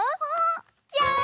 じゃん！